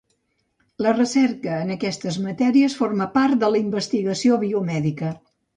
La recerca en aquestes matèries forma part de la investigació biomèdica.